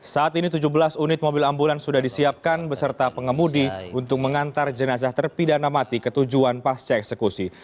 saat ini tujuh belas unit mobil ambulans sudah disiapkan beserta pengemudi untuk mengantar jenazah terpidana mati ke tujuan pasca eksekusi